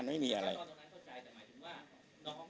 แต่หมายถึงว่าน้องเนี้ยเขาโพสต์หลังจากที่อ่าตัวแทงเอ่อ